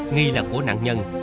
nghi là của nạn nhân